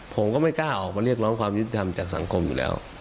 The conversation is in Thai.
ผมก็ไม่กล้าออกมาเรียกร้องความยุติธรรมจากสังคมอยู่แล้ว